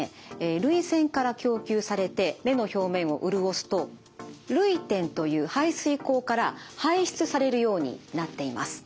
涙腺から供給されて目の表面を潤すと涙点という排水口から排出されるようになっています。